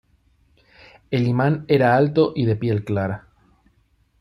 El Imán era alto y de piel clara.